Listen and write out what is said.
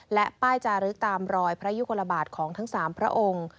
และป้ายจารึกตามรอยพระยุคลบาทของทั้ง๓พระองค์